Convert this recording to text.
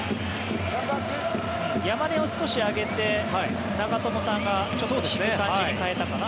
山根を少し上げて長友さんがちょっと引く感じに変えたかな。